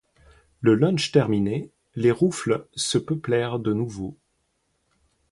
Le lunch terminé, les roufles se peuplèrent de nouveau.